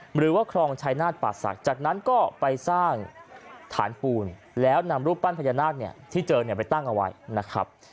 หรือว่าครองชายนาฏป่าศักดิ์จากนั้นก็ไปสร้างฐานปูนแล้วนำรูปปั้นพญานาคเนี่ยที่เจอเนี่ยไปตั้งเอาไว้นะครับ